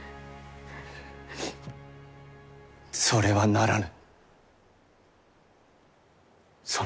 それはならぬ。